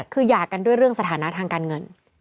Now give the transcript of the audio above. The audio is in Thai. คือหย่ากันด้วยเรื่องสถานะทางการเงิน